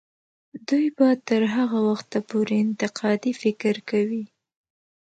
دوی به تر هغه وخته پورې انتقادي فکر کوي.